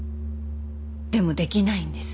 でもできないんです。